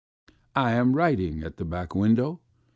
I am writing at a back window.